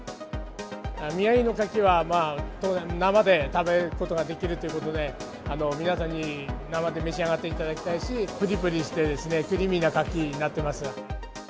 宮城のカキは生で食べることができるということで、皆さんに生で召し上がっていただきたいですし、ぷりぷりしてですね、クリーミーなカキになっています。